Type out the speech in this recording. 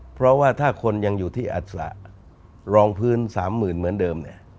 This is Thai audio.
เพราะว่าถ้าคนยังอยู่ที่อัศระรองพื้น๓๐๐๐เหมือนเดิม